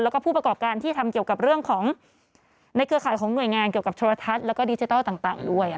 แล้วก็ผู้ประกอบการที่ทำเกี่ยวกับเรื่องของในเครือข่ายของหน่วยงานเกี่ยวกับโทรทัศน์แล้วก็ดิจิทัลต่างด้วย